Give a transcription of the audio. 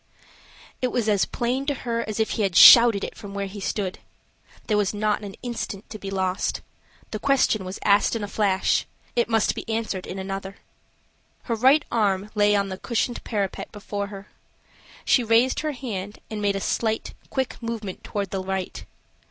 It was as plain to her as if he shouted it from where he stood. There was not an instant to be lost. The question was asked in a flash; it must be answered in another. Her right arm lay on the cushioned parapet before her. She raised her hand, and made a slight, quick movement toward the right.